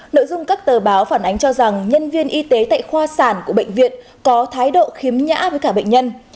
nội dung các tờ báo phản ánh cho rằng nhân viên y tế tại khoa sản của bệnh viện có thái độ khiếm nhã với cả bệnh nhân